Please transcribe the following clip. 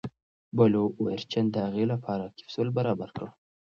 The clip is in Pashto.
بلو اوریجن د هغې لپاره کپسول برابر کړ.